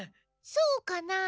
そうかな。